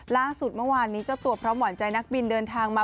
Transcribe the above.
ล่าสุดเมื่อวานนี้เจ้าตัวพร้อมหวานใจนักบินเดินทางมา